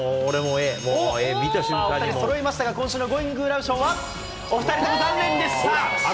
Ａ、２人そろいましたが、今週のゴーインググラブ賞は、お２人とも残念でした。